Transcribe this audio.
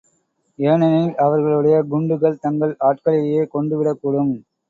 ஏனெனில் அவர்களுடைய குண்டுகள் தங்கள் ஆட்களையே கொன்று விடக்கூடும்.